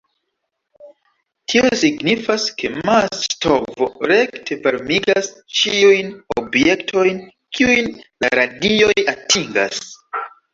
Tio signifas, ke mas-stovo rekte varmigas ĉiujn objektojn, kiujn la radioj atingas.